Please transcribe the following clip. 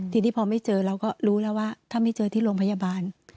ทีนี้พอไม่เจอเราก็รู้แล้วว่าถ้าไม่เจอที่โรงพยาบาล